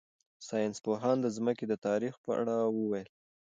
ساینس پوهانو د ځمکې د تاریخ په اړه وویل.